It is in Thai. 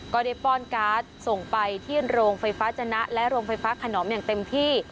ก็ได้ป้อนการ์ดส่งไปที่โรงไฟฟ้าจนะและโรงไฟฟ้าขนอมอย่างเต็มที่